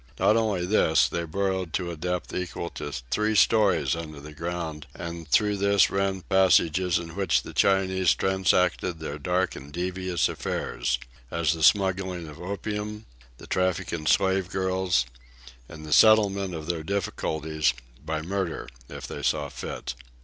Not only this, they burrowed to a depth equal to three stories under the ground, and through this ran passages in which the Chinese transacted their dark and devious affairs as the smuggling of opium, the traffic in slave girls and the settlement of their difficulties, by murder if they saw fit.